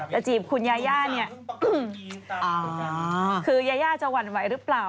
จีบคุณยาย่าเนี่ยคือยายาจะหวั่นไหวหรือเปล่า